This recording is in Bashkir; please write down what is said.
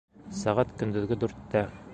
Сәғәт көндөҙгө дүрттә